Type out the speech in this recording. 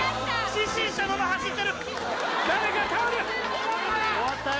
失神したまま走ってる誰かタオル終わったよ